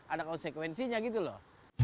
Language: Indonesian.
ada konsekuensinya gitu loh